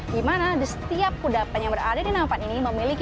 dimana di setiap kudapan yang berada di nampak ini memiliki makna tersendiri